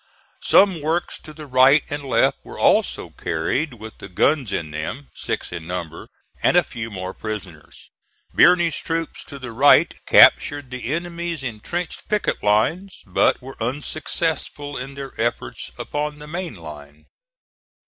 Some works to the right and left were also carried with the guns in them six in number and a few more prisoners. Birney's troops to the right captured the enemy's intrenched picket lines, but were unsuccessful in their efforts upon the main line.